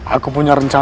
aku punya rencana